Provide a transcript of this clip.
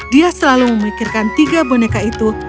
dia selalu memikirkan tiga boneka itu